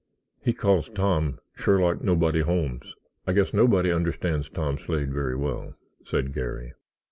He calls Tom Sherlock Nobody Holmes." "I guess nobody understands Tom Slade very well," said Garry.